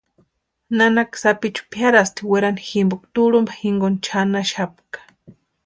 Nana sapichu piarasti werani jimpo turhumpa jinkoni chʼananchaxapka.